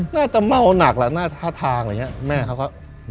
น่าจะเมาหนักแหละหน้าท่าทางอะไรอย่างนี้แม่เขาก็